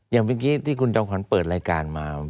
อย่างเมื่อกี้ที่คุณจอมขวัญเปิดรายการมา